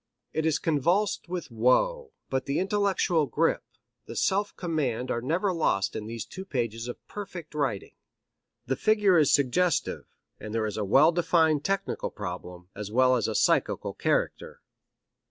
It is convulsed with woe, but the intellectual grip, the self command are never lost in these two pages of perfect writing. The figure is suggestive, and there is a well defined technical problem, as well as a psychical character.